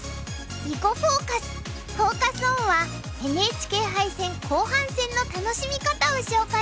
「囲碁フォーカス」フォーカス・オンはＮＨＫ杯戦後半戦の楽しみ方を紹介します。